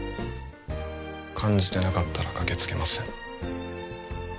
感じてなかったら駆けつけません